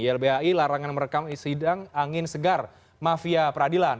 ylbhi larangan merekam sidang angin segar mafia peradilan